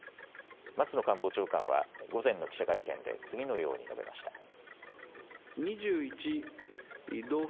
松野官房長官は午前の記者会見で次のように述べました。